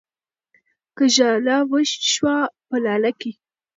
که ژاله شوه په لاله کې